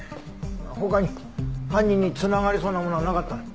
他に犯人に繋がりそうなものはなかったの？